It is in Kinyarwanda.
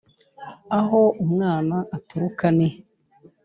aho umwana aturuka ni he